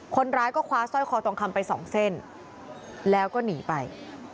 คนร้ายก็คว้าสร้อยคอทองคำไปสองเส้นแล้วก็หนีไป